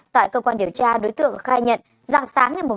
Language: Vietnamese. tại cơ quan điều tra đối tượng khai nhận